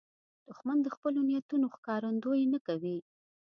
دښمن د خپلو نیتونو ښکارندویي نه کوي